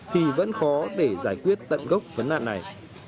thì vẫn khó để giải quyết tận gốc vấn nạn này